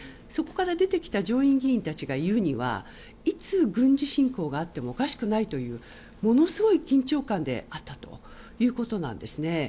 そこから出てきた上院議員たちが言うにはいつ軍事侵攻があってもおかしくないというものすごい緊張感であったということなんです。